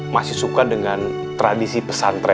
masih suka dengan tradisi pesantren